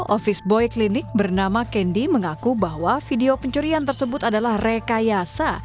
office boy klinik bernama kendi mengaku bahwa video pencurian tersebut adalah rekayasa